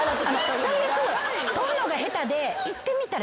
最悪取るのが下手で行ってみたら。